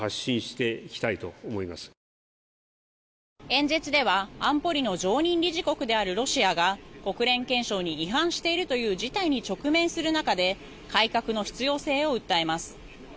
演説では安保理の常任理事国であるロシアが国連憲章に違反しているという事態に直面する中で改革の必要性を訴えます。